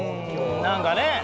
何かね